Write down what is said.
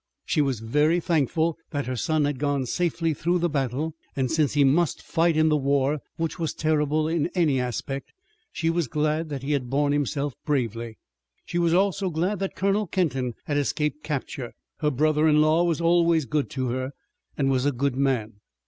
She was very thankful that her son had gone safely through the battle, and since he must fight in war, which was terrible in any aspect, she was glad that he had borne himself bravely. She was glad that Colonel Kenton had escaped capture. Her brother in law was always good to her and was a good man.